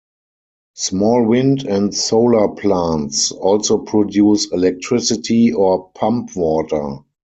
Small wind and solar plants also produce electricity or pump water.